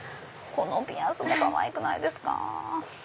このピアスもかわいくないですか？